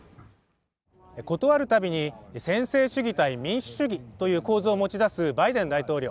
ことあるたびに専制主義対民主主義という構造を持ち出すバイデン大統領